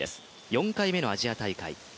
４回目のアジア大会。